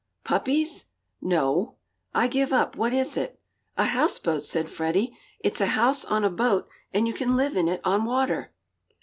"Puppies?" "No." "I give up what is it?" "A houseboat," said Freddie. "It's a house on a boat, and you can live in it on water."